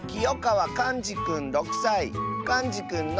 かんじくんの。